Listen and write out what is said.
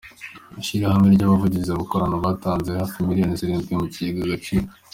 Ishyirahamwe ry’abavunjayi "Abakoranamurava" batanze hafi miliyoni zirindwi mu kigega Agaciro